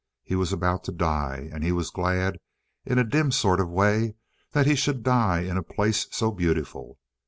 He was about to die, and he was glad, in a dim sort of way, that he should die in a place so beautiful.